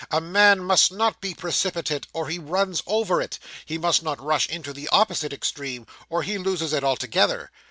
A man must not be precipitate, or he runs over it; he must not rush into the opposite extreme, or he loses it altogether.